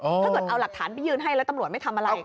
ถ้าเกิดเอาหลักฐานไปยื่นให้แล้วตำรวจไม่ทำอะไร